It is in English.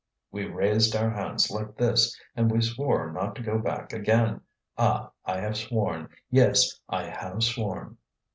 "We raised our hands like this, and we swore not to go back again. Ah! I have sworn; yes, I have sworn!"